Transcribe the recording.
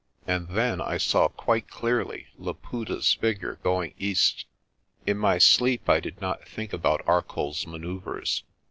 And then I saw quite clearly Laputa's figure going east. In my sleep I did not think about ArcolPs manoeuvres.